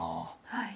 はい。